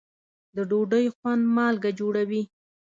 د ډوډۍ خوند مالګه جوړوي.